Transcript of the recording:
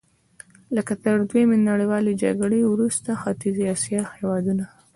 لکه تر دویمې نړیوالې جګړې وروسته ختیځې اسیا هېوادونه.